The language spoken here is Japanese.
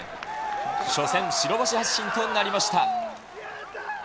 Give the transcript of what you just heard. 初戦、白星発進となりました。